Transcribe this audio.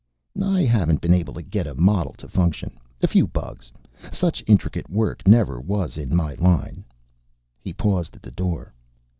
"I haven't been able to get a model to function. A few bugs.... Such intricate work never was in my line." He paused at the door.